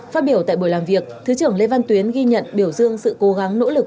phát biểu tại buổi làm việc thứ trưởng lê văn tuyến ghi nhận biểu dương sự cố gắng nỗ lực